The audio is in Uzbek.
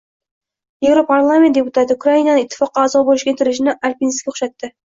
Yevroparlament deputati Ukrainani ittifoqqa a’zo bo‘lishga intilishini alpinistga o‘xshatding